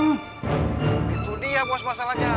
begitu dia bos masalahnya